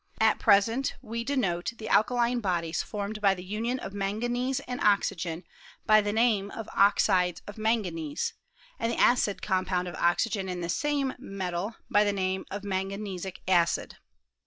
At present we denote the alkaline bodies formed by the union of manganese and oxygen by the name of oxides of manganese, and the acid compound of oxygen and the same metal by the name of manganesic acid.